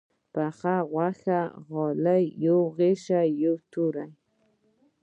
پخه غوښه، غله، يو غشى، يوه توره